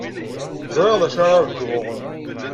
Ẓriɣ d acu ara ṛjuɣ.